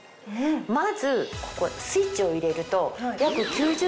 まずここスイッチを入れると。